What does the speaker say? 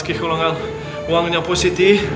kekulangan uangnya positif